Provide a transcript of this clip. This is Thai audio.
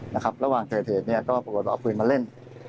ระหว่างเกิดเหตุเนี่ยก็ปรากฏว่าเอาปืนมาเล่น